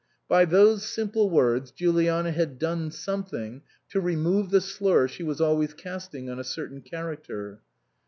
By those simple words Juliana had done something to remove the slur she was always casting on a certain character.